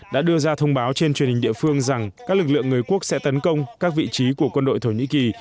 đã đưa ra thông báo trên truyền hình địa phương rằng các lực lượng người quốc sẽ tấn công các vị trí của quân đội thổ nhĩ kỳ